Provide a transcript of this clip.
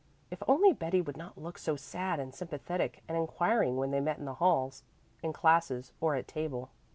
If only Betty would not look so sad and sympathetic and inquiring when they met in the halls, in classes or at table.